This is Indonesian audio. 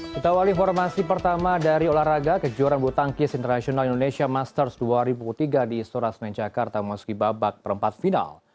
kita awali informasi pertama dari olahraga kejuaraan butangkis international indonesia masters dua ribu tiga di istora senencakar tamuasuki babak perempat final